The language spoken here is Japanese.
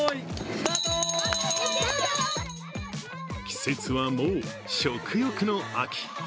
季節はもう食欲の秋。